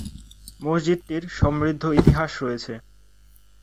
মসজিদটির সমৃদ্ধ ইতিহাস রয়েছে।